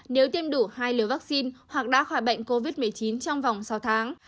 nếu tiêm đủ hai liều vaccine hoặc đã khỏi bệnh covid một mươi chín trong vòng sáu tháng